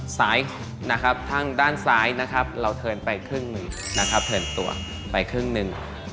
ซ้ายนะครับทางด้านซ้ายนะครับเราเทินไปครึ่งหนึ่งนะครับเทินตัวไปครึ่งหนึ่ง